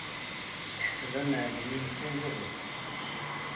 Teḥseb amɛellem-nnes am baba-s.